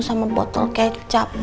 sama botol kecap